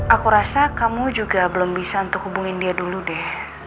aku rasa kamu juga belum bisa untuk hubungin dia dulu deh